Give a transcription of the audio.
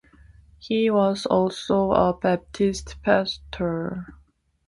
He was also a Baptist pastor.